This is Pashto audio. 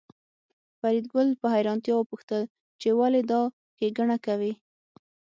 فریدګل په حیرانتیا وپوښتل چې ولې دا ښېګڼه کوې